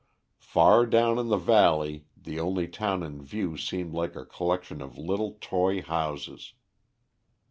Far down in the valley the only town in view seemed like a collection of little toy houses.